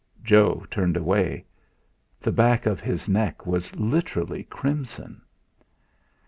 Joe turned away; the back of his neck was literally crimson.